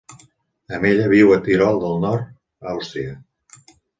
Amb ella viu a Tirol del Nord, Àustria.